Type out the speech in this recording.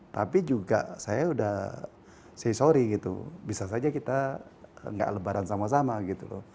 tapi juga saya udah sey sorry gitu bisa saja kita nggak lebaran sama sama gitu loh